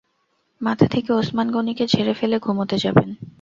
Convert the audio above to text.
মাথা থেকে ওসমান গনিকে ঝেড়ে ফেলে ঘুমুতে যাবেন।